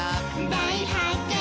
「だいはっけん」